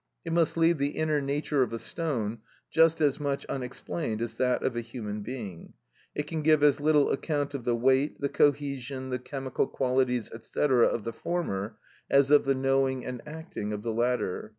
It must leave the inner nature of a stone just as much unexplained as that of a human being; it can give as little account of the weight, the cohesion, the chemical qualities, &c., of the former, as of the knowing and acting of the latter.